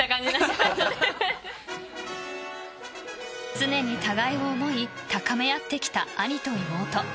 常に互いを思い高め合ってきた兄と妹。